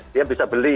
dia bisa beli